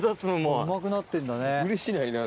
うまくなってんだね。